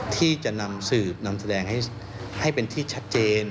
ที่จะนำสืบนำแสดงให้เป็นที่ชัดเจน